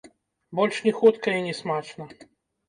Больш не хутка і не смачна.